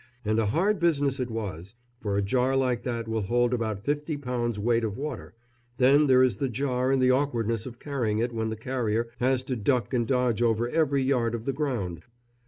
And a hard business it was, for a jar like that will hold about fifty pounds' weight of water, then there is the jar and the awkwardness of carrying it when the carrier has to duck and dodge over every yard of the ground.